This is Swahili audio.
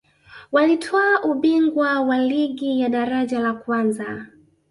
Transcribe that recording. walitwaa ubingwa wa ligi daraja la kwanza